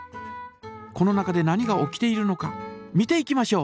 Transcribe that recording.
この中で何が起きているのか見ていきましょう！